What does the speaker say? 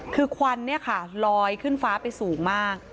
คือควันเนี่ยค่ะลอยขึ้นฟ้าไปสูงมาก